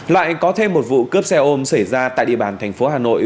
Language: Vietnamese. lại có thêm một vụ cướp xe ôm xảy ra tại địa bàn thành phố hà nội